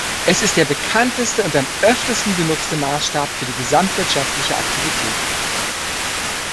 Es ist der bekannteste und am öftesten benutzte Maßstab für die gesamtwirtschaftliche Aktivität.